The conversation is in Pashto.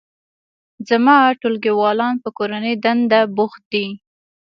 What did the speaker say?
زما ټولګیوالان په کورنۍ دنده بوخت دي